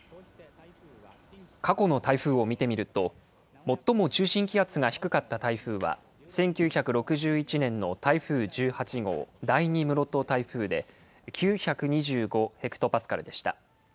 過去の台風を見てみると、最も中心気圧が低かった台風は１９６１年の台風１８号、第２室戸台風で、９２５ヘクトパスカルでした。